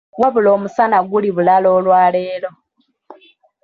Wabula omusana guli bulala olwaleero!